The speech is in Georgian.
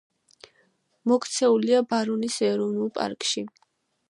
მოქცეულია ბარონის ეროვნული პარკში.